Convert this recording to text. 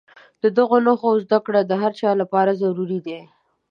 د دغو نښو زده کړه د هر چا لپاره ضروري ده.